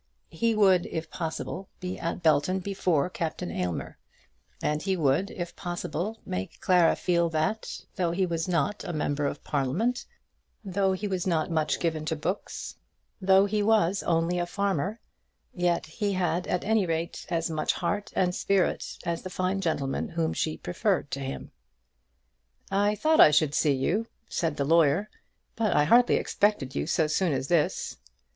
He would, if possible, be at Belton before Captain Aylmer; and he would, if possible, make Clara feel that, though he was not a member of Parliament, though he was not much given to books, though he was only a farmer, yet he had at any rate as much heart and spirit as the fine gentleman whom she preferred to him. "I thought I should see you," said the lawyer; "but I hardly expected you so soon as this."